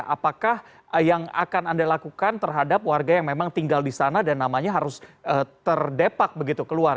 apakah yang akan anda lakukan terhadap warga yang memang tinggal di sana dan namanya harus terdepak begitu keluar